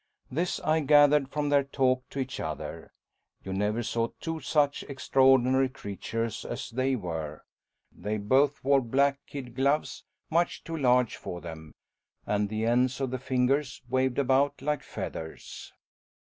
This I gathered from their talk to each other. You never saw two such extraordinary creatures as they were. They both wore black kid gloves much too large for them, and the ends of the fingers waved about like feathers.